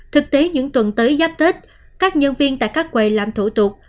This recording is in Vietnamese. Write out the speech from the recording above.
thực tế những tuần tới giáp tết các nhân viên tại các quầy làm thủ tục